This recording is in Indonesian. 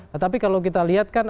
tetapi kalau kita lihat kan